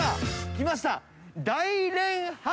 来ました。